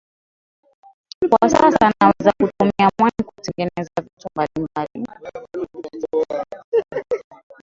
Kwa sasa naweza kutumia mwani kutengeneza vitu mbalimbali